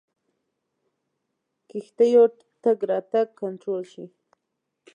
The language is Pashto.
کښتیو تګ راتګ کنټرول شي.